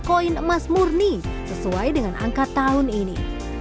koin emas murni sesuai dengan angka tahun ini